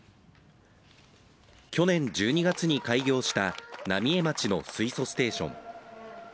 去年１２月に開業した浪江町の水素ステーション。